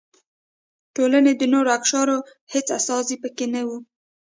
ټولنې د نورو اقشارو هېڅ استازي پکې نه و.